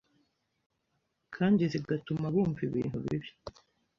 kandi zigatuma bumva ibintu bibi